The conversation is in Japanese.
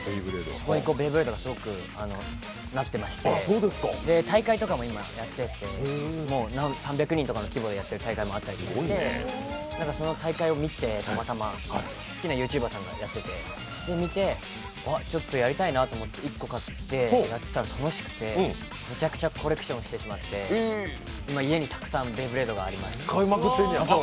そこにベイブレードがすごくなっていまして大会とかも今、やっていまして、もう３００人とかの規模でやってる大会とかもあって、その大会を見て、たまたま好きなＹｏｕＴｕｂｅｒさんがやってて見て、あっ、ちょっとやりたいなと思って１個買ってやっていたら楽しくて、めちゃくちゃコレクションしてしまって今、家にたくさんベイブレードがあります。